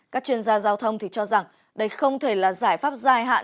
các chuyên gia giao thông thì cho rằng đây không thể là giải pháp dài hạn